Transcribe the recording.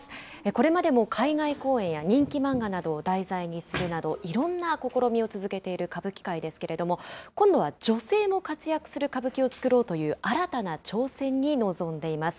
これまでも海外公演や人気漫画などを題材にするなど、いろんな試みを続けている歌舞伎界ですけれども、今度は女性の活躍する歌舞伎を作ろうという新たな挑戦に臨んでいます。